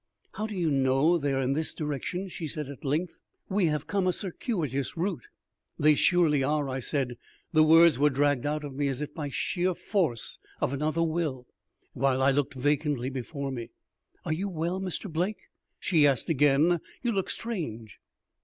"How do you know they are in this direction?" she said at length. "We have come a circuitous route." "They surely are," I said. The words were dragged out of me, as if by sheer force of another will, while I looked vacantly before me. "Are you well, Mr. Blake?" she asked again. "You look strange."